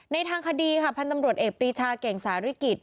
ทางคดีค่ะพันธ์ตำรวจเอกปรีชาเก่งสาริกิจ